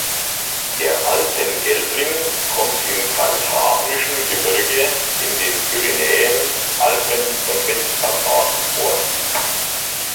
Der Alpen-Gelbling kommt im Kantabrischen Gebirge, in den Pyrenäen, Alpen und Westkarpaten vor.